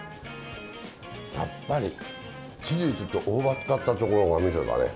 やっぱりチーズと大葉使ったところがみそだね。